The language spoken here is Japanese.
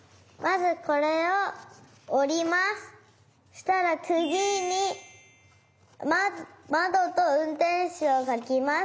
したらつぎにまどとうんてんしゅをかきます。